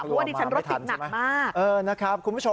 เพราะว่าดิฉันรถติดหนักมาก